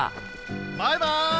バイバイ！